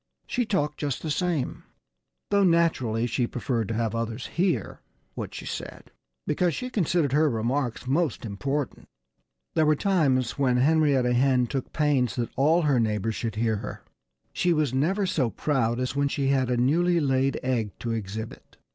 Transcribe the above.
She talked just the same though naturally she preferred to have others hear what she said, because she considered her remarks most important. There were times when Henrietta Hen took pains that all her neighbors should hear her. She was never so proud as when she had a newly laid egg to exhibit.